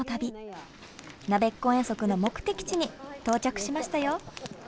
なべっこ遠足の目的地に到着しましたよ。